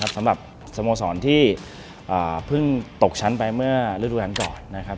สำหรับสโมสรที่เพิ่งตกชั้นไปเมื่อเริ่มอุดการณ์ก่อน